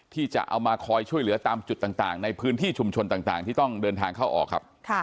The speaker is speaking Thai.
ที่จะเอามาคอยช่วยเหลือตามจุดต่างในพื้นที่ชุมชนต่างที่ต้องเดินทางเข้าออกครับ